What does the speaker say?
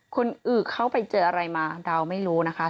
คนอื่นเขาไปเจออะไรมาดาวไม่รู้นะคะ